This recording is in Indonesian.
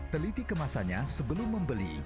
teliti kemasannya sebelum membeli